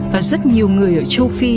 và rất nhiều người ở châu phi